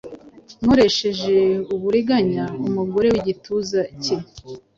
nkoresheje uburiganya umugore wigituza cye.